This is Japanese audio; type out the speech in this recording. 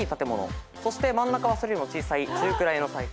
そして真ん中はそれよりも小さい中くらいのサイズ。